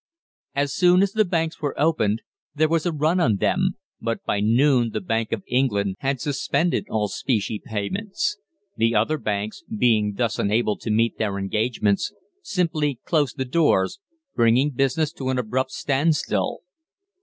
As soon as the banks were opened there was a run on them, but by noon the Bank of England had suspended all specie payments. The other banks, being thus unable to meet their engagements, simply closed the doors, bringing business to an abrupt standstill.